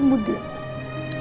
kemudian kang salim meninggal